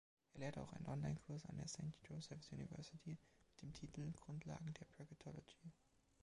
Er lehrt auch einen Onlinekurs an der Saint Joseph‘s University mit dem Titel „Grundlagen der Bracketology“.